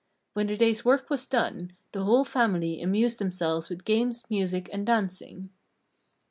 When the day's work was done, the whole family amused themselves with games, music, and dancing.